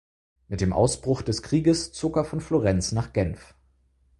Mit dem Ausbruch des Krieges zog er von Florenz nach Genf.